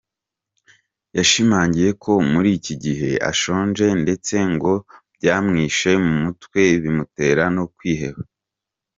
Yashimangiye ko muri iki gihe ashonje ndetse ngo byamwishe mu mutwe bimutera no kwiheba.